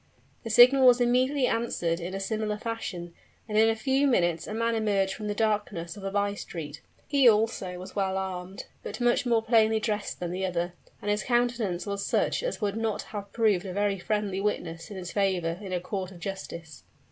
The signal was immediately answered in a similar fashion, and in a few minutes a man emerged from the darkness of a by street. He also was well armed, but much more plainly dressed than the other; and his countenance was such as would not have proved a very friendly witness in his favor in a court of justice.